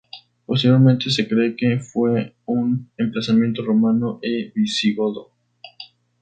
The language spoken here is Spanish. Posteriormente se cree que fue un emplazamiento romano y visigodo.